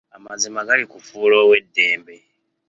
Amazima gali kufuula ow'eddembe.